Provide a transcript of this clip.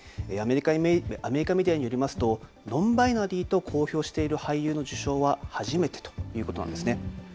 アメリカメディアによりますと、ノンバイナリーと公表している俳優の受賞は初めてということなんですね。